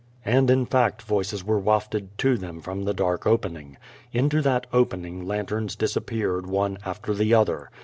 '' And, in fact, voices were wafted to them from the dark opening. Into that opening lanterns disappeared one after the other.